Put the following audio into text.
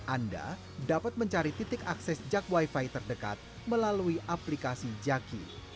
anda dapat mencari titik akses jak wifi terdekat melalui aplikasi jaki